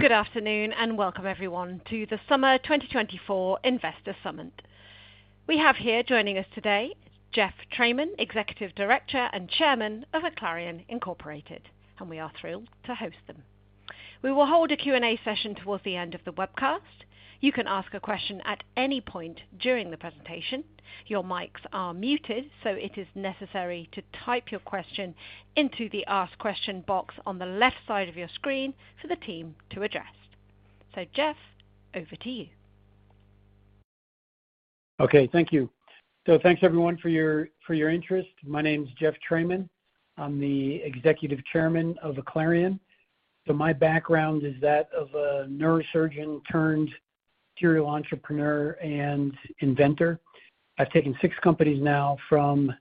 Good afternoon, and welcome everyone to the Summer 2024 Investor Summit. We have here joining us today, Jeff Thramann, Executive Director and Chairman of Aclarion, Inc., and we are thrilled to host him. We will hold a Q&A session towards the end of the webcast. You can ask a question at any point during the presentation. Your mics are muted, so it is necessary to type your question into the Ask Question box on the left side of your screen for the team to address. So Jeff, over to you. Okay, thank you. Thanks everyone for your interest. My name is Jeffrey Thramann. I'm the Executive Chairman of Aclarion. My background is that of a neurosurgeon turned serial entrepreneur and inventor. I've taken six companies now from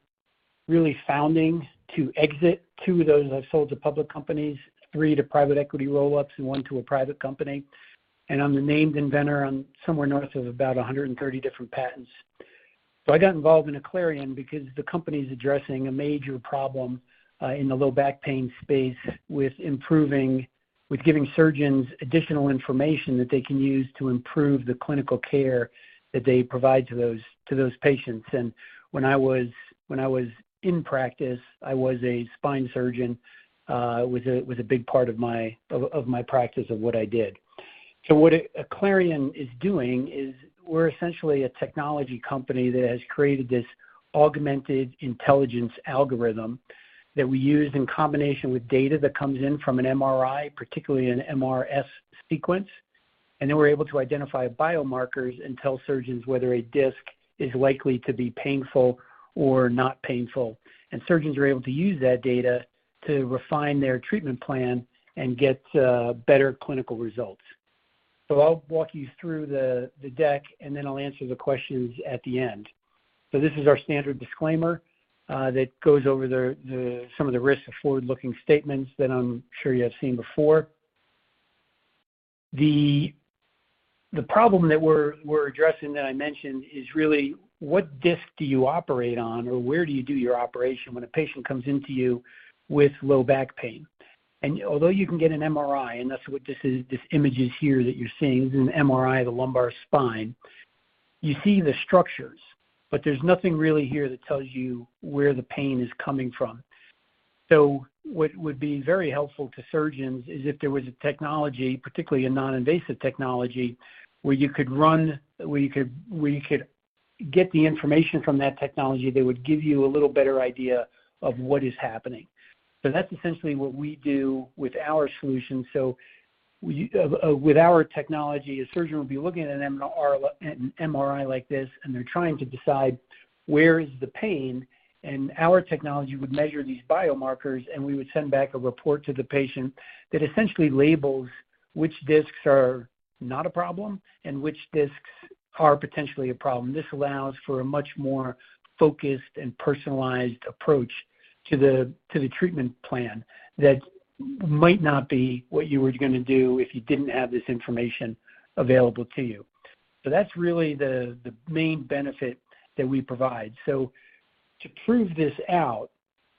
really founding to exit. Two of those I've sold to public companies, three to private equity roll-ups, and one to a private company. I'm the named inventor on somewhere north of about 130 different patents. I got involved in Aclarion because the company's addressing a major problem in the low back pain space with giving surgeons additional information that they can use to improve the clinical care that they provide to those patients. When I was in practice, I was a spine surgeon. It was a big part of my practice of what I did. So what Aclarion is doing is we're essentially a technology company that has created this augmented intelligence algorithm that we use in combination with data that comes in from an MRI, particularly an MRS sequence, and then we're able to identify biomarkers and tell surgeons whether a disc is likely to be painful or not painful. Surgeons are able to use that data to refine their treatment plan and get better clinical results. I'll walk you through the deck, and then I'll answer the questions at the end. This is our standard disclaimer that goes over some of the risks of forward-looking statements that I'm sure you have seen before. The problem that we're addressing that I mentioned is really what disc do you operate on, or where do you do your operation when a patient comes into you with low back pain? Although you can get an MRI, and that's what this is, this image is here that you're seeing, this is an MRI of the lumbar spine. You see the structures, but there's nothing really here that tells you where the pain is coming from. So what would be very helpful to surgeons is if there was a technology, particularly a non-invasive technology, where you could get the information from that technology, that would give you a little better idea of what is happening. So that's essentially what we do with our solution. So we, with our technology, a surgeon would be looking at an MRI like this, and they're trying to decide where is the pain, and our technology would measure these biomarkers, and we would send back a report to the patient that essentially labels which discs are not a problem and which discs are potentially a problem. This allows for a much more focused and personalized approach to the treatment plan. That might not be what you were gonna do if you didn't have this information available to you. That's really the main benefit that we provide. To prove this out,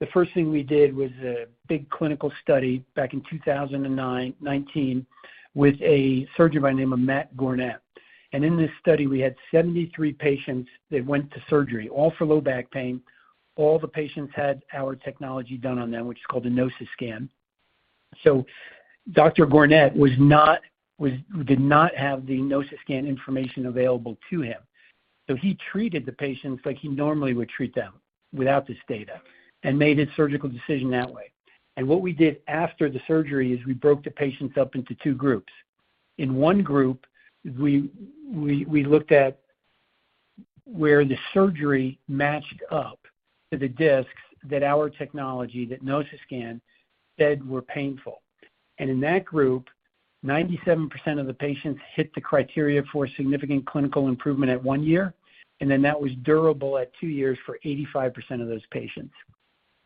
the first thing we did was a big clinical study back in two thousand nineteen with a surgeon by the name of Matthew Gornet. In this study, we had 73 patients that went to surgery, all for low back pain. All the patients had our technology done on them, which is called the NOCISCAN. Dr. Gornet did not have the NOCISCAN information available to him, so he treated the patients like he normally would treat them without this data and made his surgical decision that way. What we did after the surgery is we broke the patients up into two groups. In one group, we looked at where the surgery matched up to the discs that our technology, that NOCISCAN, said were painful. In that group, 97% of the patients hit the criteria for significant clinical improvement at one year, and then that was durable at two years for 85% of those patients.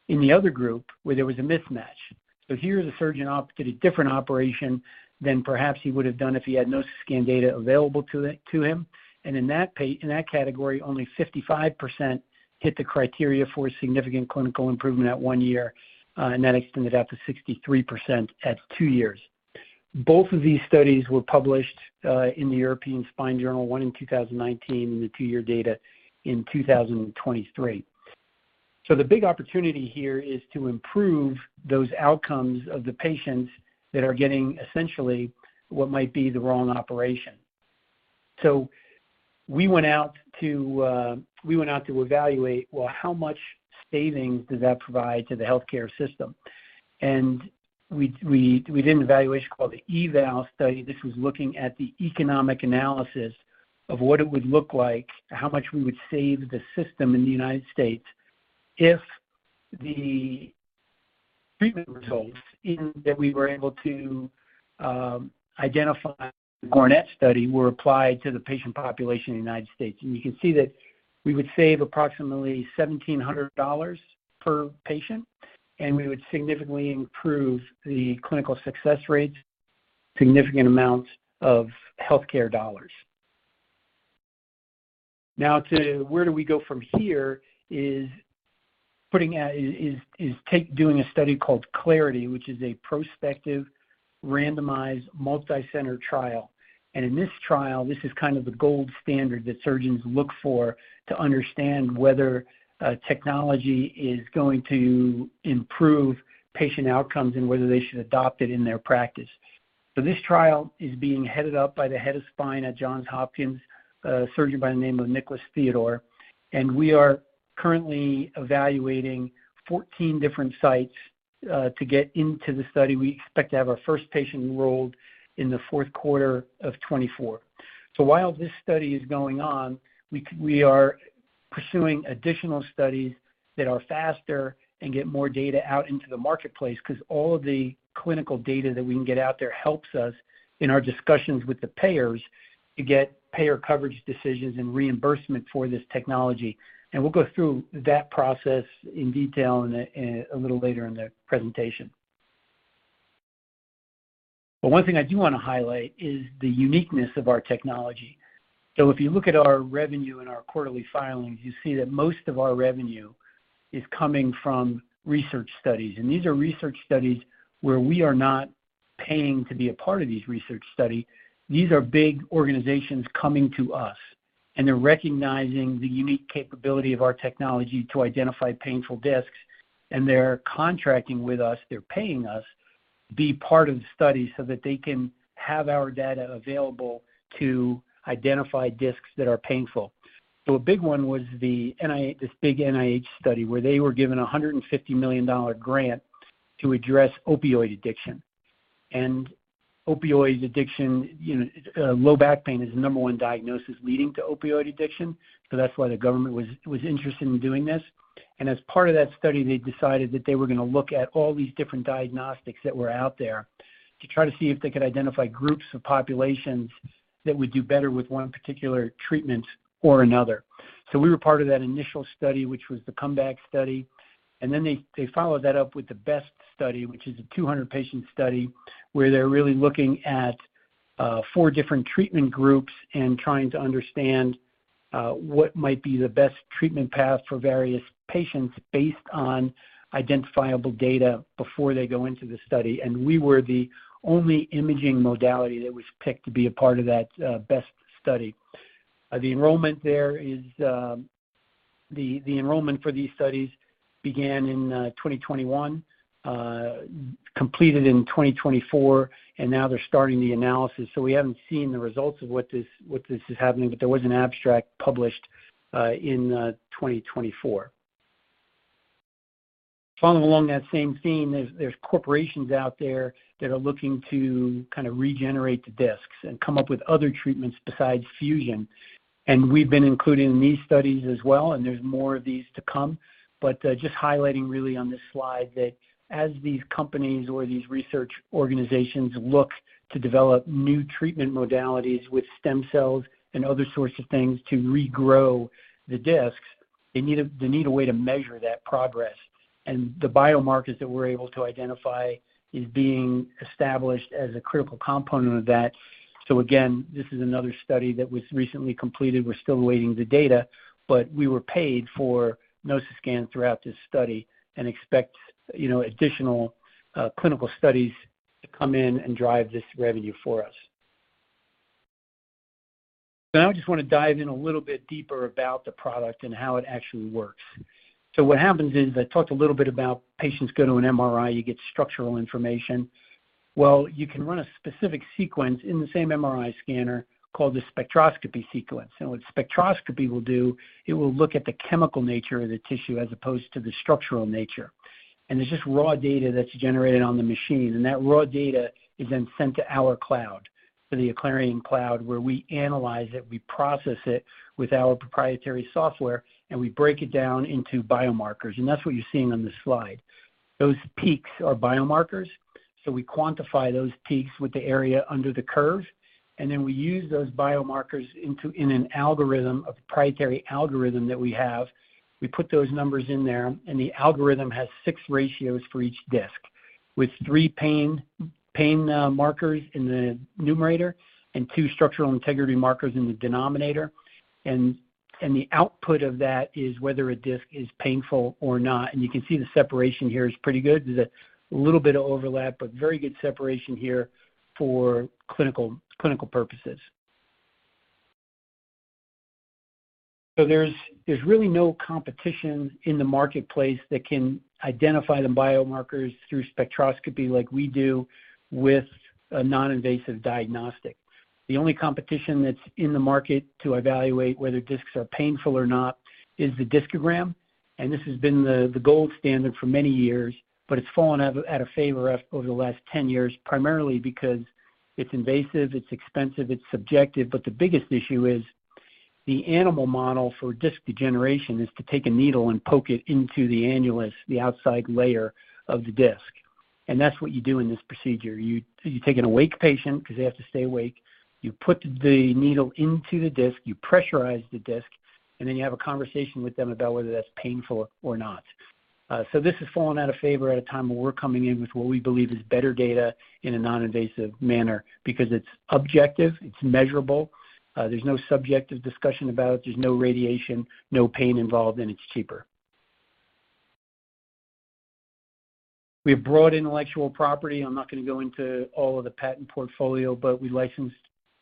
In the other group, where there was a mismatch, so here the surgeon did a different operation than perhaps he would have done if he had NOCISCAN data available to him. In that category, only 55% hit the criteria for significant clinical improvement at one year, and that extended out to 63% at two years. Both of these studies were published in the European Spine Journal, one in 2019, and the two-year data in 2023. So the big opportunity here is to improve those outcomes of the patients that are getting, essentially, what might be the wrong operation. So we went out to evaluate, well, how much savings does that provide to the healthcare system? And we did an evaluation called the EVAL study. This was looking at the economic analysis of what it would look like, how much we would save the system in the United States if the treatment results in that we were able to identify the Gornet study were applied to the patient population in the United States. And you can see that we would save approximately $1,700 per patient, and we would significantly improve the clinical success rates, significant amounts of healthcare dollars. Now, to where do we go from here is putting out doing a study called CLARITY, which is a prospective, randomized, multicenter trial. In this trial, this is kind of the gold standard that surgeons look for to understand whether technology is going to improve patient outcomes and whether they should adopt it in their practice. This trial is being headed up by the Head of Spine at Johns Hopkins, a surgeon by the name of Nicholas Theodore, and we are currently evaluating 14 different sites to get into the study. We expect to have our first patient enrolled in the fourth quarter of 2024. While this study is going on, we are pursuing additional studies that are faster and get more data out into the marketplace, because all of the clinical data that we can get out there helps us in our discussions with the payers to get payer coverage decisions and reimbursement for this technology. We'll go through that process in detail a little later in the presentation. One thing I do wanna highlight is the uniqueness of our technology. If you look at our revenue and our quarterly filings, you see that most of our revenue is coming from research studies. These are research studies where we are not paying to be a part of these research study. These are big organizations coming to us, and they're recognizing the unique capability of our technology to identify painful discs, and they're contracting with us, they're paying us, to be part of the study so that they can have our data available to identify discs that are painful. A big one was the NIH, this big NIH study, where they were given a $150 million grant to address opioid addiction. Opioid addiction, you know, low back pain is the number one diagnosis leading to opioid addiction, so that's why the government was interested in doing this. As part of that study, they decided that they were gonna look at all these different diagnostics that were out there to try to see if they could identify groups of populations that would do better with one particular treatment or another. So we were part of that initial study, which was the comeBACK study. And then they followed that up with the BEST study, which is a 200-patient study, where they're really looking at four different treatment groups and trying to understand what might be the best treatment path for various patients based on identifiable data before they go into the study. And we were the only imaging modality that was picked to be a part of that BEST Study. The enrollment there is the enrollment for these studies began in 2021, completed in 2024, and now they're starting the analysis. So we haven't seen the results of what this is happening, but there was an abstract published in 2024. Following along that same theme, there's corporations out there that are looking to kind of regenerate the discs and come up with other treatments besides fusion, and we've been included in these studies as well, and there's more of these to come, but just highlighting really on this slide that as these companies or these research organizations look to develop new treatment modalities with stem cells and other sorts of things to regrow the discs, they need a way to measure that progress, and the biomarkers that we're able to identify is being established as a critical component of that, so again, this is another study that was recently completed. We're still awaiting the data, but we were paid for NOCISCAN throughout this study and expect, you know, additional clinical studies to come in and drive this revenue for us. So now I just wanna dive in a little bit deeper about the product and how it actually works. So what happens is, I talked a little bit about patients go to an MRI, you get structural information. Well, you can run a specific sequence in the same MRI scanner called the spectroscopy sequence. And what spectroscopy will do, it will look at the chemical nature of the tissue as opposed to the structural nature. And it's just raw data that's generated on the machine, and that raw data is then sent to our cloud, to the Aclarion cloud, where we analyze it, we process it with our proprietary software, and we break it down into biomarkers, and that's what you're seeing on this slide. Those peaks are biomarkers, so we quantify those peaks with the area under the curve, and then we use those biomarkers into, in an algorithm, a proprietary algorithm that we have. We put those numbers in there, and the algorithm has six ratios for each disc, with three pain markers in the numerator and two structural integrity markers in the denominator. And the output of that is whether a disc is painful or not. And you can see the separation here is pretty good. There's a little bit of overlap, but very good separation here for clinical purposes. So there really is no competition in the marketplace that can identify the biomarkers through spectroscopy like we do with a non-invasive diagnostic. The only competition that's in the market to evaluate whether discs are painful or not is the discogram, and this has been the gold standard for many years, but it's fallen out of favor over the last ten years, primarily because it's invasive, it's expensive, it's subjective, but the biggest issue is the animal model for disc degeneration is to take a needle and poke it into the annulus, the outside layer of the disc, and that's what you do in this procedure. You take an awake patient, because they have to stay awake, you put the needle into the disc, you pressurize the disc, and then you have a conversation with them about whether that's painful or not. This has fallen out of favor at a time where we're coming in with what we believe is better data in a non-invasive manner, because it's objective, it's measurable, there's no subjective discussion about it, there's no radiation, no pain involved, and it's cheaper. We have broad intellectual property. I'm not gonna go into all of the patent portfolio, but we licensed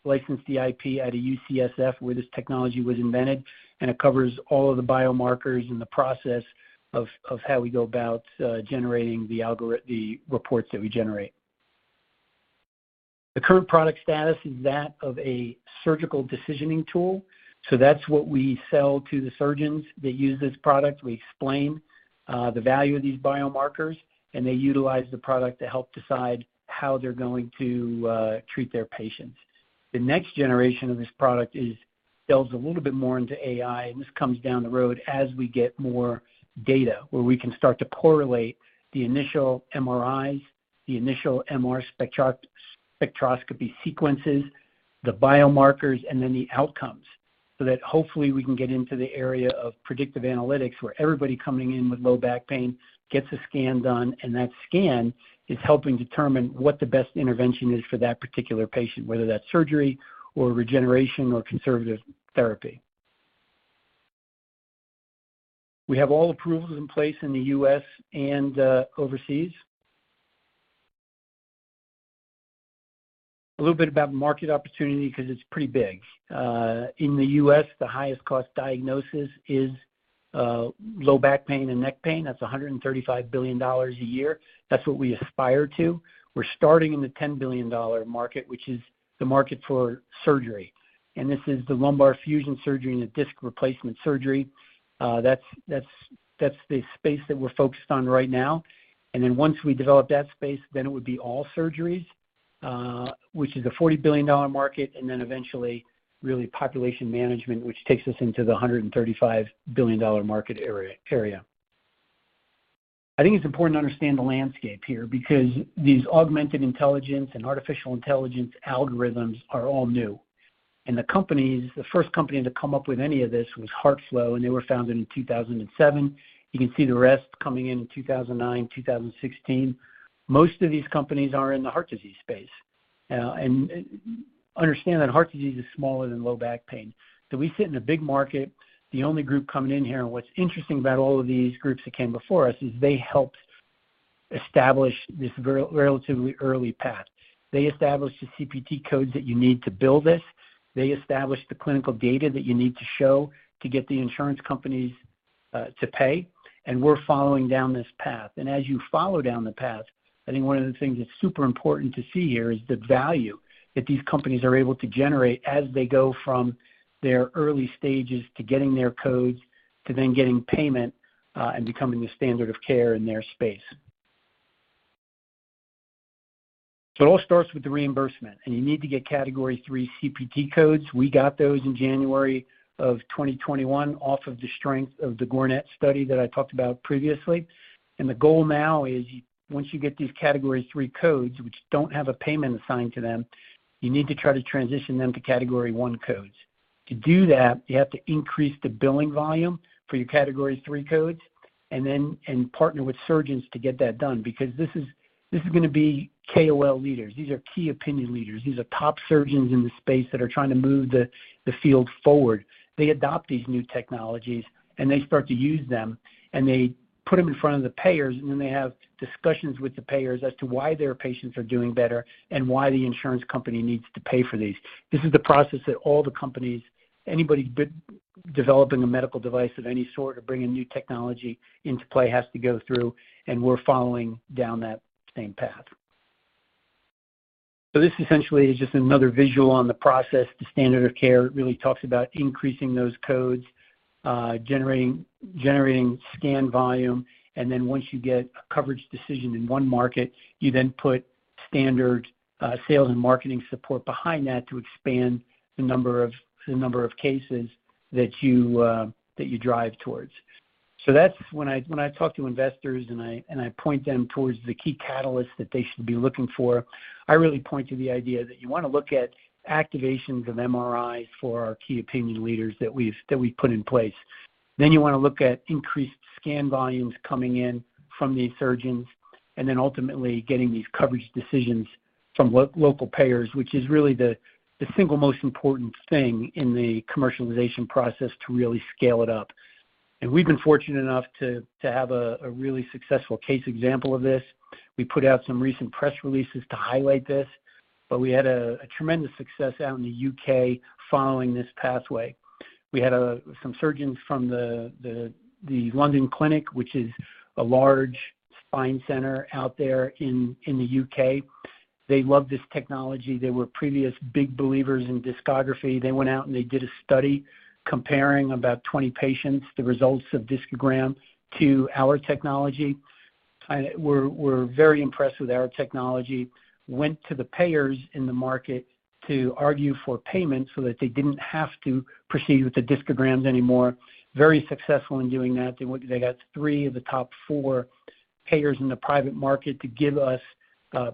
the IP out of UCSF, where this technology was invented, and it covers all of the biomarkers and the process of how we go about generating the reports that we generate. The current product status is that of a surgical decisioning tool, so that's what we sell to the surgeons that use this product. We explain the value of these biomarkers, and they utilize the product to help decide how they're going to treat their patients. The next generation of this product is, delves a little bit more into AI, and this comes down the road as we get more data, where we can start to correlate the initial MRIs, the initial MR spectroscopy sequences, the biomarkers, and then the outcomes, so that hopefully we can get into the area of predictive analytics, where everybody coming in with low back pain gets a scan done, and that scan is helping determine what the best intervention is for that particular patient, whether that's surgery or regeneration or conservative therapy. We have all approvals in place in the U.S. and overseas. A little bit about the market opportunity, because it's pretty big. In the U.S., the highest cost diagnosis is low back pain and neck pain. That's $135 billion a year. That's what we aspire to. We're starting in the $10 billion market, which is the market for surgery, and this is the lumbar fusion surgery and the disc replacement surgery. That's the space that we're focused on right now. And then once we develop that space, then it would be all surgeries, which is a $40 billion market, and then eventually, really, population management, which takes us into the $135 billion market area. I think it's important to understand the landscape here because these augmented intelligence and artificial intelligence algorithms are all new. And the companies, the first company to come up with any of this was HeartFlow, and they were founded in 2007. You can see the rest coming in 2009, 2016. Most of these companies are in the heart disease space. Understand that heart disease is smaller than low back pain. We sit in a big market, the only group coming in here, and what's interesting about all of these groups that came before us is they helped establish this relatively early path. They established the CPT codes that you need to bill this. They established the clinical data that you need to show to get the insurance companies to pay, and we're following down this path. As you follow down the path, I think one of the things that's super important to see here is the value that these companies are able to generate as they go from their early stages to getting their codes, to then getting payment and becoming the standard of care in their space. It all starts with the reimbursement, and you need to get Category III CPT codes. We got those in January of 2021 off of the strength of the Gornet study that I talked about previously. The goal now is once you get these Category III codes, which don't have a payment assigned to them, you need to try to transition them to Category I CPT codes. To do that, you have to increase the billing volume for your Category III codes and then partner with surgeons to get that done because this is gonna be KOL leaders. These are key opinion leaders. These are top surgeons in the space that are trying to move the field forward. They adopt these new technologies, and they start to use them, and they put them in front of the payers, and then they have discussions with the payers as to why their patients are doing better and why the insurance company needs to pay for these. This is the process that all the companies, anybody developing a medical device of any sort or bringing new technology into play, has to go through, and we're following down that same path. This essentially is just another visual on the process. The standard of care really talks about increasing those codes, generating scan volume, and then once you get a coverage decision in one market, you then put standard sales and marketing support behind that to expand the number of cases that you drive towards. So that's— When I talk to investors, and I point them towards the key catalysts that they should be looking for, I really point to the idea that you wanna look at activations of MRIs for our key opinion leaders that we've put in place. Then you wanna look at increased scan volumes coming in from these surgeons, and then ultimately getting these coverage decisions from local payers, which is really the single most important thing in the commercialization process to really scale it up, and we've been fortunate enough to have a really successful case example of this. We put out some recent press releases to highlight this, but we had a tremendous success out in the U.K. following this pathway. We had some The London Clinic, which is a large spine center out there in the U.K. They love this technology. They were previous big believers in discography. They went out, and they did a study comparing about 20 patients, the results of discogram to our technology, were very impressed with our technology. Went to the payers in the market to argue for payment so that they didn't have to proceed with the discograms anymore. Very successful in doing that. They went. They got three of the top four payers in the private market to give us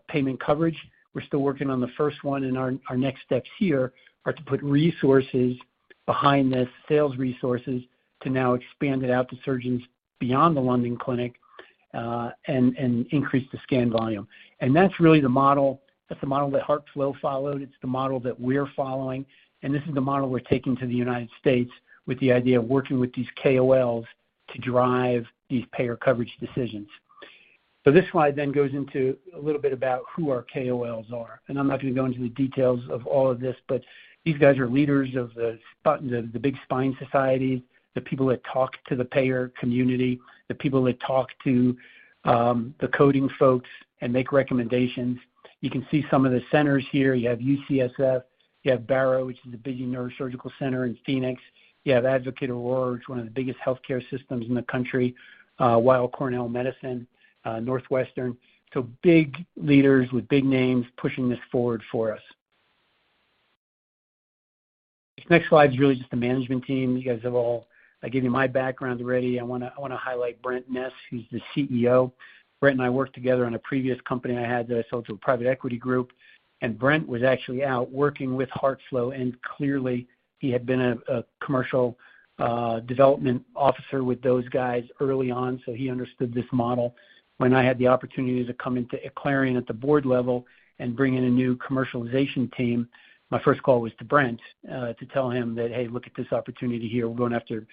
payment coverage. We're still working on the first one, and our next steps here are to put resources behind this, sales resources, to now expand it out to The London Clinic, and increase the scan volume. That's really the model. That's the model that HeartFlow followed. It's the model that we're following, and this is the model we're taking to the United States with the idea of working with these KOLs to drive these payer coverage decisions. This slide then goes into a little bit about who our KOLs are, and I'm not going to go into the details of all of this, but these guys are leaders of the big spine societies, the people that talk to the payer community, the people that talk to the coding folks and make recommendations. You can see some of the centers here. You have UCSF, you have Barrow, which is a big neurosurgical center in Phoenix. You have Advocate Aurora, which is one of the biggest healthcare systems in the country, Weill Cornell Medicine, Northwestern. Big leaders with big names pushing this forward for us. This next slide is really just the management team. You guys have all. I gave you my background already. I wanna highlight Brent Ness, who's the CEO. Brent and I worked together on a previous company I had that I sold to a private equity group, and Brent was actually out working with HeartFlow, and Cleerly, he had been a commercial development officer with those guys early on, so he understood this model. When I had the opportunity to come into Aclarion at the board level and bring in a new commercialization team, my first call was to Brent to tell him that, "Hey, look at this opportunity here. We're going after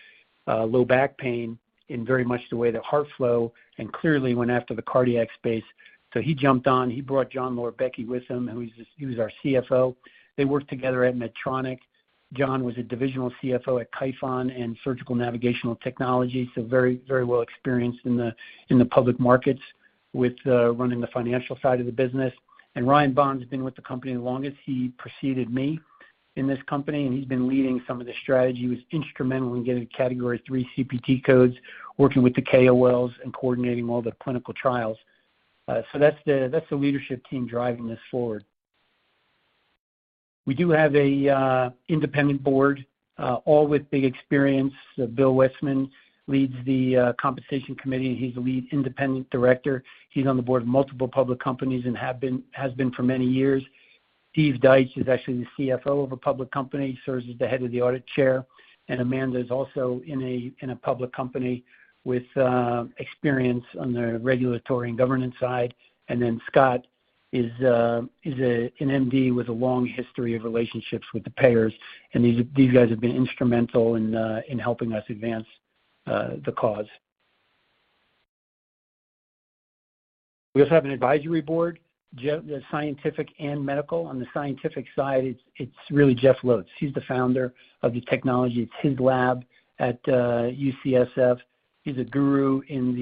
low back pain in very much the way that HeartFlow and Cleerly went after the cardiac space." So he jumped on. He brought John Lorbiecki with him, and he's just he was our CFO. They worked together at Medtronic. John was a divisional CFO at Kyphon and Surgical Navigation Technologies, so very, very well experienced in the public markets with running the financial side of the business. And Ryan Bond has been with the company the longest. He preceded me in this company, and he's been leading some of the strategy, was instrumental in getting Category III CPT codes, working with the KOLs and coordinating all the clinical trials. So that's the leadership team driving this forward. We do have an independent board, all with big experience. Bill Westman leads the compensation committee, and he's the lead independent director. He's on the board of multiple public companies and has been for many years. Steve Deitsch is actually the CFO of a public company. He serves as the head of the audit chair, and Amanda is also in a public company with experience on the regulatory and governance side. Then Scott is an MD with a long history of relationships with the payers, and these guys have been instrumental in helping us advance the cause. We also have an advisory board, the scientific and medical. On the scientific side, it's really Jeff Lotz. He's the founder of the technology. It's his lab at UCSF. He's a guru in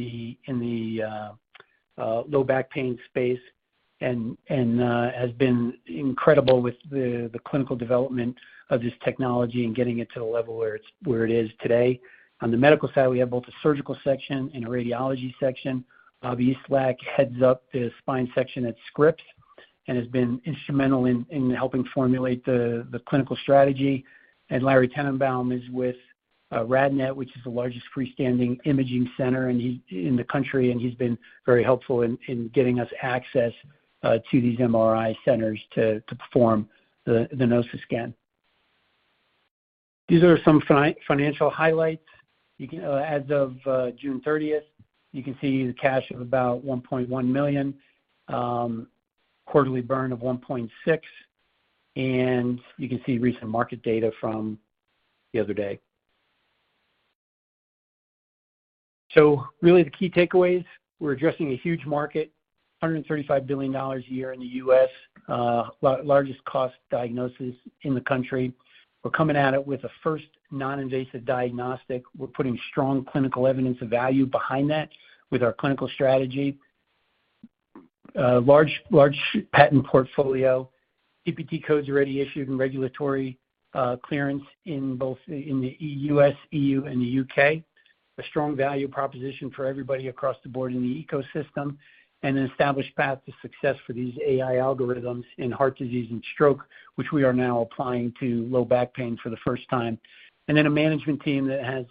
the low back pain space and has been incredible with the clinical development of this technology and getting it to the level where it is today. On the medical side, we have both a surgical section and a radiology section. Bob Yslas heads up the spine section at Scripps and has been instrumental in helping formulate the clinical strategy, and Lawrence Tanenbaum is with RadNet, which is the largest freestanding imaging center in the country, and he's been very helpful in getting us access to these MRI centers to perform the NOCISCAN. These are some financial highlights. You can, as of June 30th, you can see the cash of about $1.1 million, quarterly burn of $1.6 million, and you can see recent market data from the other day. So really, the key takeaways, we're addressing a huge market, $135 billion a year in the US, the largest cost diagnosis in the country. We're coming at it with a first non-invasive diagnostic. We're putting strong clinical evidence of value behind that with our clinical strategy. Large patent portfolio, CPT codes already issued, and regulatory clearance in both in the U.S., E.U., and the U.K. A strong value proposition for everybody across the board in the ecosystem, and an established path to success for these AI algorithms in heart disease and stroke, which we are now applying to low back pain for the first time. And then a management team that has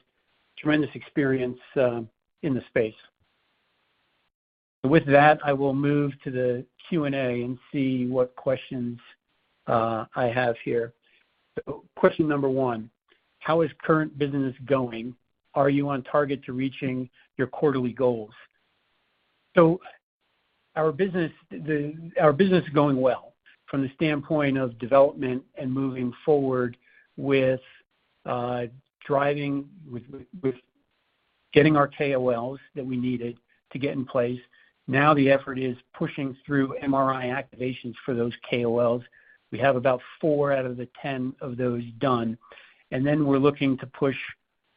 tremendous experience in the space. With that, I will move to the Q&A and see what questions I have here. So, question number one: How is current business going? Are you on target to reaching your quarterly goals? So our business, our business is going well from the standpoint of development and moving forward with driving with getting our KOLs that we needed to get in place. Now, the effort is pushing through MRI activations for those KOLs. We have about four out of the 10 of those done, and then we're looking to push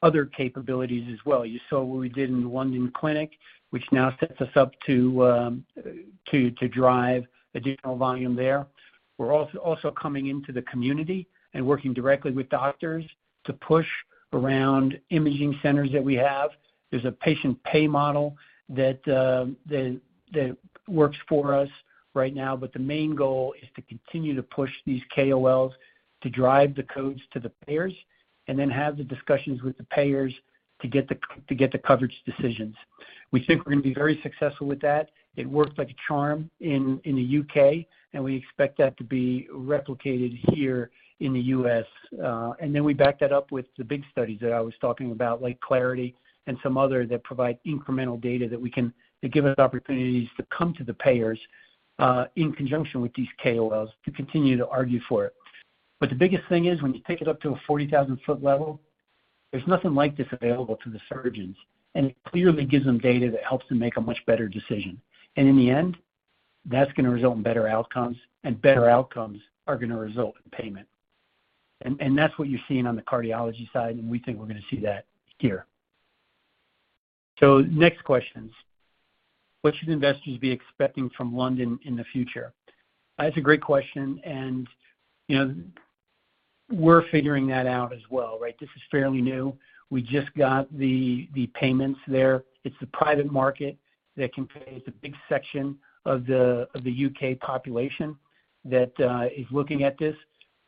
other capabilities as well. You saw what we The London Clinic, which now sets us up to drive additional volume there. We're also coming into the community and working directly with doctors to push around imaging centers that we have. There's a patient pay model that works for us right now, but the main goal is to continue to push these KOLs to drive the codes to the payers, and then have the discussions with the payers to get the coverage decisions. We think we're gonna be very successful with that. It worked like a charm in the U.K., and we expect that to be replicated here in the U.S. And then we back that up with the big studies that I was talking about, like CLARITY and some other that provide incremental data that give us opportunities to come to the payers, in conjunction with these KOLs, to continue to argue for it. But the biggest thing is, when you take it up to a 40,000-ft level, there's nothing like this available to the surgeons, and it clearly gives them data that helps them make a much better decision. And in the end, that's gonna result in better outcomes, and better outcomes are gonna result in payment. And that's what you're seeing on the cardiology side, and we think we're gonna see that here. So next questions: What should investors be expecting from London in the future? That's a great question, and, you know, we're figuring that out as well, right? This is fairly new. We just got the payments there. It's a private market that can pay. It's a big section of the U.K. population that is looking at this.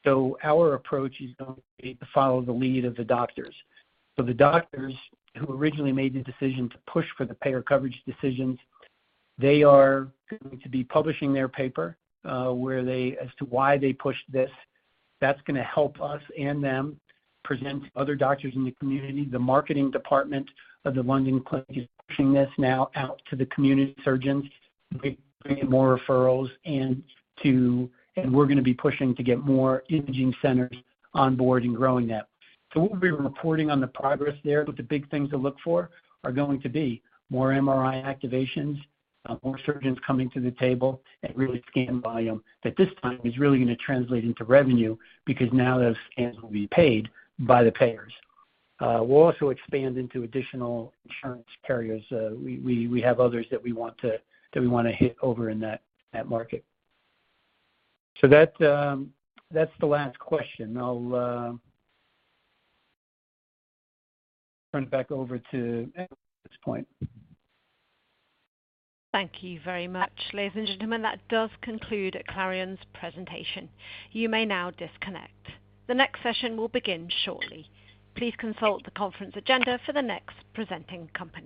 So our approach is going to be to follow the lead of the doctors. So the doctors who originally made the decision to push for the payer coverage decisions, they are going to be publishing their paper as to why they pushed this. That's gonna help us and them present other doctors in the community. The marketing department of The London Clinic is pushing this now out to the community surgeons to get more referrals and we're gonna be pushing to get more imaging centers on board and growing that, so we'll be reporting on the progress there, but the big things to look for are going to be more MRI activations, more surgeons coming to the table, and really scan volume. At this time, it's really gonna translate into revenue because now those scans will be paid by the payers. We'll also expand into additional insurance carriers. We have others that we wanna hit over in that market. So that's the last question. I'll turn it back over to at this point. Thank you very much, ladies and gentlemen. That does conclude Aclarion's presentation. You may now disconnect. The next session will begin shortly. Please consult the conference agenda for the next presenting company.